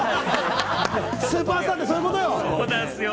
スーパースターって、そういうことよ。